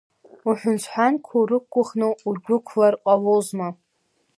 Уҳәансҳәанқәа урықәгәыӷны удәықәлар ҟалозма!